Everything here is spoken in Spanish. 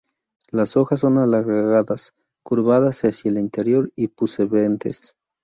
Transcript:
Las hojas son alargadas, curvadas hacia el interior y pubescentes.